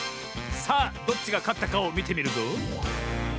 さあどっちがかったかをみてみるぞ。